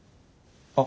あ。